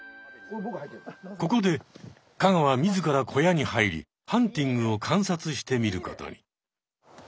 ここで香川自ら小屋に入りハンティングを観察してみることに。